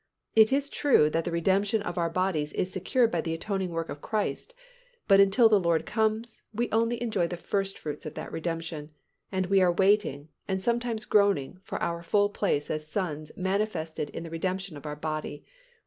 It is true that the redemption of our bodies is secured by the atoning work of Christ but until the Lord comes, we only enjoy the first fruits of that redemption; and we are waiting and sometimes groaning for our full place as sons manifested in the redemption of our body (Rom.